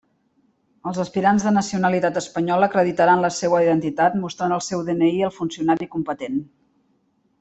Els aspirants de nacionalitat espanyola acreditaran la seua identitat mostrant el seu DNI al funcionari competent.